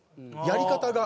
やり方が。